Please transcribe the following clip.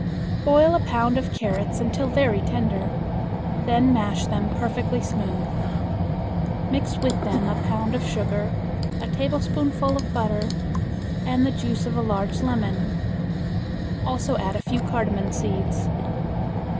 Boil a pound of carrots until very tender. Then mash them perfectly smooth. Mix with them a pound of sugar, a tablespoonful of butter, and the juice of a large lemon. Also add a few cardamon seeds.